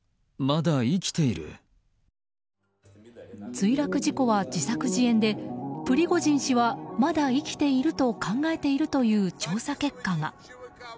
墜落事故は自作自演でプリゴジン氏はまだ生きていると考えているという調査結果が。